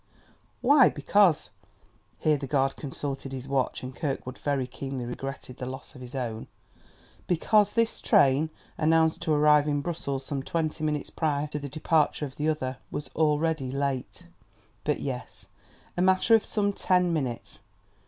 Why because (here the guard consulted his watch; and Kirkwood very keenly regretted the loss of his own) because this train, announced to arrive in Brussels some twenty minutes prior to the departure of that other, was already late. But yes a matter of some ten minutes.